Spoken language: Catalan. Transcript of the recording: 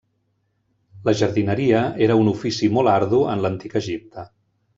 La jardineria era un ofici molt ardu en l'Antic Egipte.